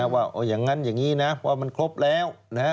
ว่าอย่างนั้นอย่างนี้นะว่ามันครบแล้ว